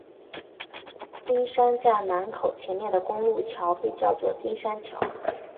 金山站南口前面的公路桥被叫做金山桥。